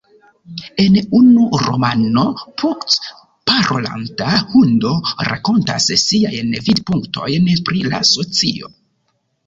En unu romano, "Puck", parolanta hundo rakontas siajn vidpunktojn pri la socio.